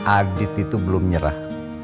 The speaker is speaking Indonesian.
adit itu belum nyerah